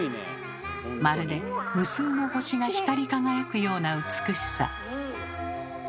まるで無数の星が光り輝くような美しさ。